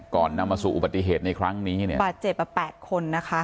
นำมาสู่อุบัติเหตุในครั้งนี้เนี่ยบาดเจ็บอ่ะแปดคนนะคะ